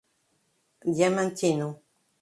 Diamantino